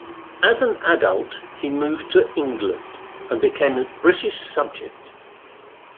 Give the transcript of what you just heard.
As an adult he moved to England, and became a British subject.